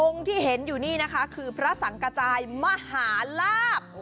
ที่เห็นอยู่นี่นะคะคือพระสังกระจายมหาลาบ